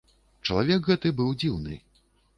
Чалавек гэты быў дзіўны.